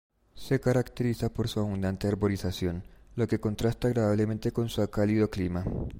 Se caracteriza por su abundante arborización, lo que contrasta agradablemente con su cálido clima.